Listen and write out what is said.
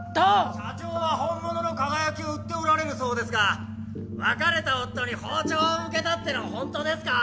社長は本物の輝きを売っておられるそうですが別れた夫に包丁を向けたっていうのは本当ですか？